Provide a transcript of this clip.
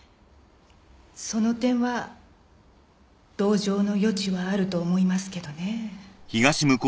その点は同情の余地はあると思いますけどねぇ。